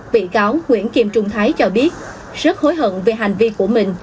bị cáo nguyễn kim trung thái cho biết rất hối hận về hành vi của mình